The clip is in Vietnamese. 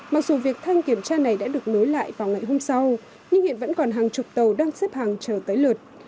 mặc dù việc thanh kiểm tra này đã được nối lại vào ngày hôm sau nhưng hiện vẫn còn hàng chục tàu đang xếp hàng chờ tới lượt